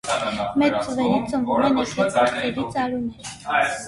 Մեծ ձվերից ծնվում են էգեր, փոքրերից՝ արուներ։